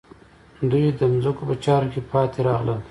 دوی د ځمکو په چارو کې پاتې راغلل.